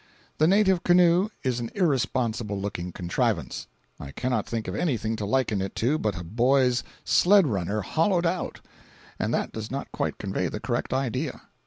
The native canoe is an irresponsible looking contrivance. I cannot think of anything to liken it to but a boy's sled runner hollowed out, and that does not quite convey the correct idea.